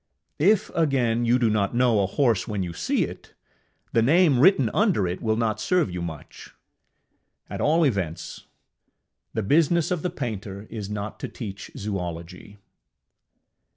If, again, you do not know a horse when you see it, the name written under it will not serve you much. At all events, the business of the painter is not to teach zoology.